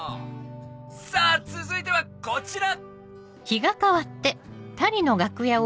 さぁ続いてはこちら！